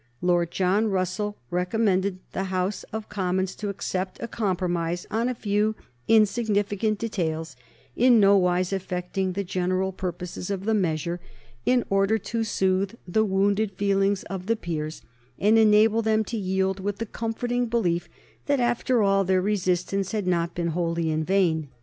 Lord John Russell recommended the House of Commons to accept a compromise on a few insignificant details in no wise affecting the general purposes of the measure, in order to soothe the wounded feelings of the peers and enable them to yield with the comforting belief that after all their resistance had not been wholly in vain.